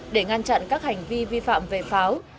để ngăn chặn các hành vi vi phạm về pháo